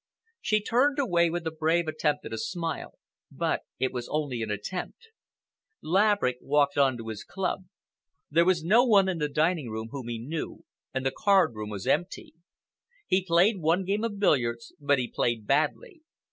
She turned away with a brave attempt at a smile, but it was only an attempt. Laverick walked on to his club. There was no one in the dining room whom he knew, and the card room was empty. He played one game of billiards, but he played badly.